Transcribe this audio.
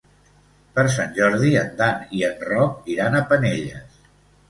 Per Sant Jordi en Dan i en Roc iran a Penelles.